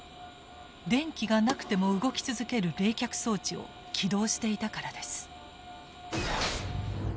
電気がなくても動き続ける冷却装置を起動していたからです。